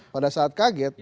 pada saat kaget